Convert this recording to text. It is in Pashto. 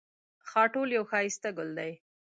خاټول یو ښایسته ګل دی